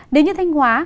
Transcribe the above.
nếu như thanh hóa